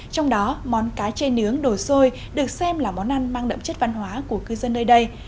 trong đó món cá chê nướng đồ xôi được xem là món ăn mang đậm chất văn hóa của cư dân nơi đây